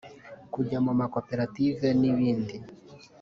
kujya mu makoperative n’ibindi